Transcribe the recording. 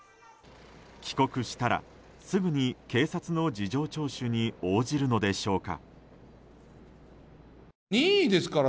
帰国したら、すぐに警察の事情聴取に応じるのでしょうか。